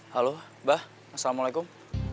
halo ibu assalamu'alaikum